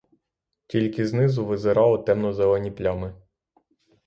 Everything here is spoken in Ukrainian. Тільки знизу визирали темно-зелені плями.